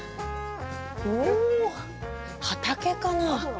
おお、畑かな。